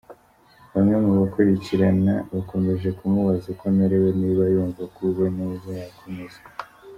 Bamwe mu bakurikirana bakomeje kumubaza uko amerewe niba yumva aguwe neza yakomeza.